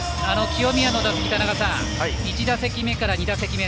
清宮の打席１打席目から２打席目